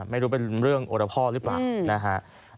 ไม่รู้เป็นเรื่องโอรพ่อหรือเปล่านะฮะ